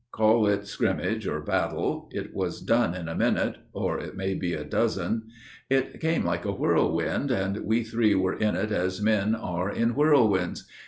Call it scrimmage or battle, It was done in a minute, or it may be a dozen. It came like a whirlwind, and we three were in it As men are in whirlwinds.